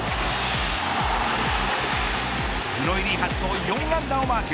プロ入り初の４安打をマーク。